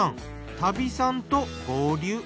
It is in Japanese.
多比さんと合流。